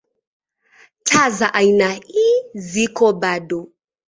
Taa za aina ii ziko bado.